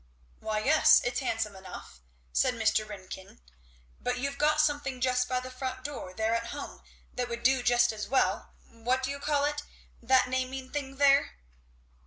"Why yes, it's handsome enough," said Mr. Ringgan, "but you've got something just by the front door there at home that would do just as well what do you call it? that naming thing there?"